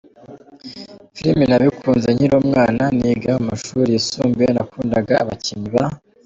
filimi nabikunze nkiri umwana, niga mu mashuri yisumbuye nakundaga abakinnyi ba.